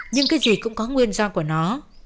nhưng cái gì cũng có nguyên do của nó